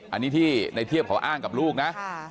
อันนี้ที่ในเทียบเขาอ้างกับลูกนะ